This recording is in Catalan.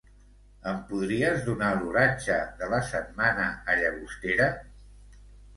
Em podries donar l'oratge de la setmana a Llagostera?